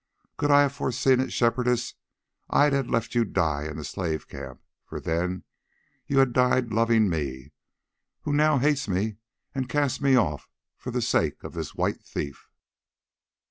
could I have foreseen it, Shepherdess, I had left you to die in the slave camp, for then you had died loving me who now hate me and cast me off for the sake of this white thief."